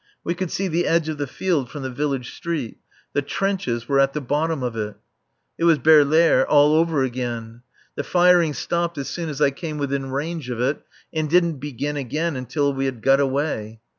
We could see the edge of the field from the village street. The trenches [?] were at the bottom of it. It was Baerlaere all over again. The firing stopped as soon as I came within range of it, and didn't begin again until we had got away.